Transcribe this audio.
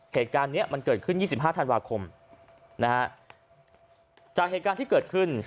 เหตุการณ์เนี้ยมันเกิดขึ้น๒๕ธันวาคมนะฮะจากเหตุการณ์ที่เกิดขึ้น